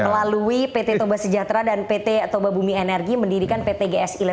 melalui pt toba sejahtera dan pt toba bumi energi mendirikan pt gsi lab